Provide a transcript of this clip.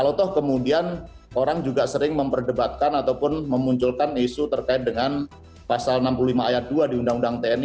kalau toh kemudian orang juga sering memperdebatkan ataupun memunculkan isu terkait dengan pasal enam puluh lima ayat dua di undang undang tni